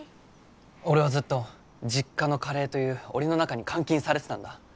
俺はずっと実家のカレーという檻の中に監禁されてたんだ。